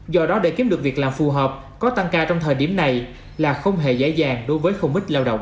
do đó để kiếm được việc làm phù hợp có tăng ca trong thời điểm này là không hề dễ dàng đối với không ít lao động